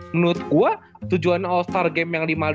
menurut gue tujuan all star game yang